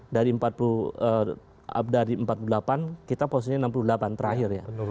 dari empat puluh delapan kita posisinya enam puluh delapan terakhir ya